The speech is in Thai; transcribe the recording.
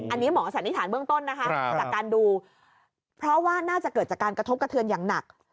อันนี้หมอสันนิษฐานเบื้องต้นนะคะจากการดูเพราะว่าน่าจะเกิดจากการกระทบกระเทือนอย่างหนัก